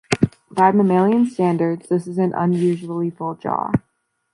By mammalian standards, this is an unusually full jaw.